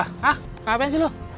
hah ngapain sih lu